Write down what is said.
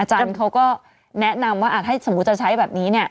อาจารย์เขาก็แนะนำว่าถ้าสมมุติจะใช้แบบนี้เนี่ย